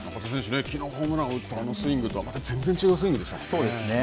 きのうホームランを打ったあのスイングとはまた違いましたもんそうですね。